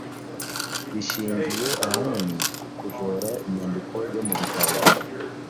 bishingiye ahanini ku kujora inyandiko yo mu bitabo